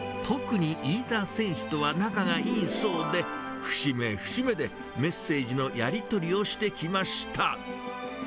特に飯田選手とは仲がいいそうで、節目節目でメッセージのやり取りをしてきました。